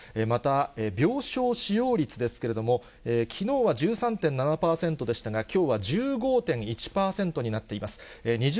また、病床使用率ですけれども、きのうは１３．７％でしたが、きょうは１５．１％になっています。